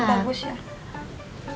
gak bagus ya